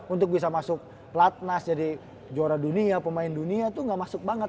untuk bisa masuk pelatnas jadi juara dunia pemain dunia tuh gak masuk banget